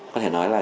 có thể nói là